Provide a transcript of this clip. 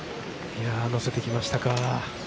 いや、乗せてきましたか。